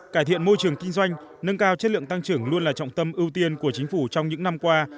cải thiện môi trường kinh doanh nâng cao chất lượng tăng trưởng luôn là trọng tâm ưu tiên của chính phủ trong những năm qua